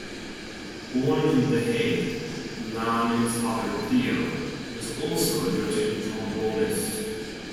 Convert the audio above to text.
Born in The Hague, Laanen's father Theo was also a noted trombonist.